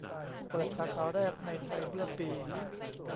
เปิดสาขาแรกในไทยเมื่อปี